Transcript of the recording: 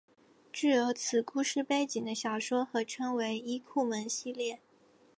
具有此故事背景的小说合称为伊库盟系列。